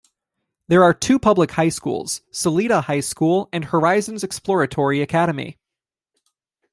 There are two public high schools, Salida High School and Horizons Exploratory Academy.